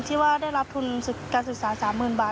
ที่ว่าได้รับทุนการศึกษา๓๐๐๐บาท